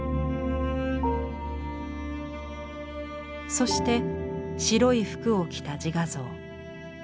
そして白い服を着た自画像。